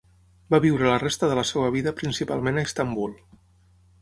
Va viure la resta de la seva vida principalment a Istanbul.